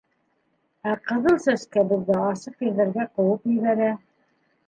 Ә Ҡыҙыл Сәскә беҙҙе асыҡ ерҙәргә ҡыуып ебәрә.